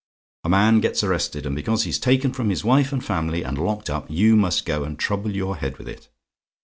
"A man gets arrested, and because he's taken from his wife and family, and locked up, you must go and trouble your head with it!